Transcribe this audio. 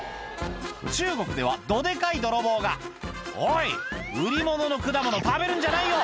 中国ではどデカい泥棒が「おい売り物の果物食べるんじゃないよ！」